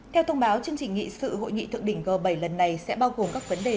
theo thông báo chương trình nghị sự hội nghị thượng đỉnh g bảy lần này sẽ bao gồm các vấn đề